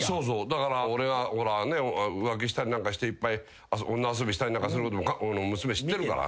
だから俺が浮気したりなんかしていっぱい女遊びしたりすることも娘知ってるから。